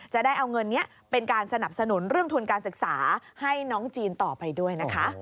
จะได้เอาเงินนี้เป็นการสนับสนุนเรื่องทุนการศึกษาให้น้องจีนต่อไปด้วยนะคะ